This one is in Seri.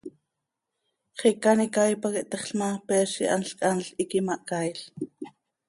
Xiica an icaai pac ihtexl ma, peez ihanl chanl hiiqui mahcaail.